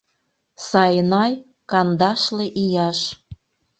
Сайнай — кандашле ияш.